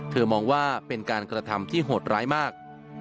มองว่าเป็นการกระทำที่โหดร้ายมาก